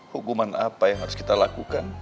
hukuman apa yang harus kita lakukan